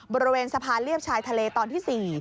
บริเวณสะพานเลียบชายทะเลตอนที่๔